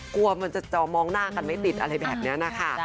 กลัวมันจะจอมองหน้ากันไม่ติดอะไรแบบนี้นะคะ